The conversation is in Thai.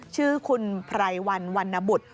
ชื่อคุณพรายวรรณวรรณบุธ